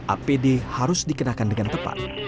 apd harus dikenakan dengan tepat